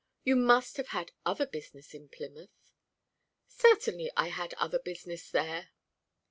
You must have had other business in Plymouth." "Certainly. I had other business there."